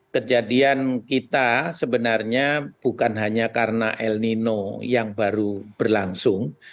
kejadian kita sebenarnya bukan hanya karena el nino yang baru berlangsung